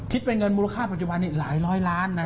เป็นเงินมูลค่าปัจจุบันนี้หลายร้อยล้านนะ